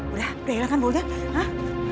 udah udah hilang kan baunya hah